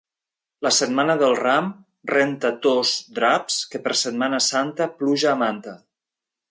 La Setmana del Ram renta tos draps, que per Setmana Santa, pluja a manta.